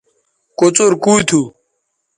کوڅر کُو تھو